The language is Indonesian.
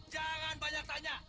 jangan banyak tanya